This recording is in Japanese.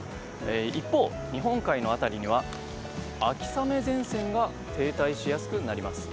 一方、日本海の辺りには秋雨前線が停滞しやすくなります。